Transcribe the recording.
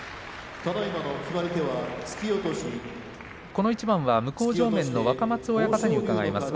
この一番は向正面の若松親方に伺います。